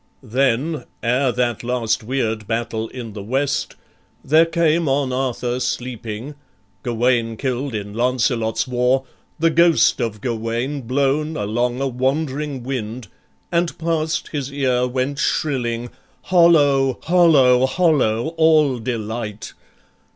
Then, ere that last weird battle in the west, There came on Arthur sleeping, Gawain kill'd In Lancelot's war, the ghost of Gawain blown Along a wandering wind, and past his ear Went shrilling, "Hollow, hollow all delight!